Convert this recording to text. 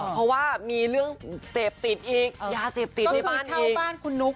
เพราะว่ามีเรื่องเสพติดอีกยาเสพติดในบ้านเช่าบ้านคุณนุ๊ก